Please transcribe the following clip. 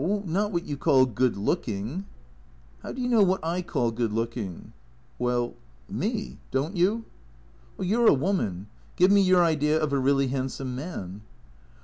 Not what you call good looking." " How do you know what I call good looking ?"" Well — me. Don't you ??" You 're a woman. Give me your idea of a really handsome man."